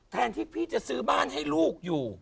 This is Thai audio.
แทนที่พี่จะซื้อบ้านให้ลูกอยู่